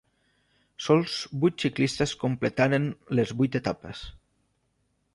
Sols vuit ciclistes completaren les vuit etapes.